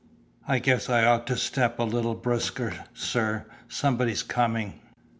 I guess I ought to step a little brisker, sir; somebody's coming.